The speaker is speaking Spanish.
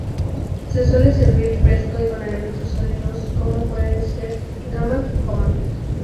Se suele servir fresco y con elementos sólidos como pueden se gambas o jamón.